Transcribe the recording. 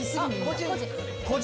個人。